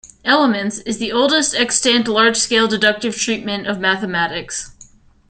"Elements" is the oldest extant large-scale deductive treatment of mathematics.